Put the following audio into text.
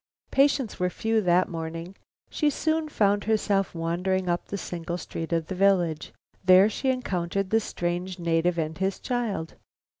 Patients were few that morning. She soon found herself wandering up the single street of the village. There she encountered the strange native and his child.